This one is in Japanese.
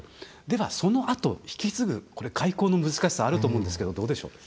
では、そのあと引き継ぐ外交の難しさあると思うんですけどどうでしょう？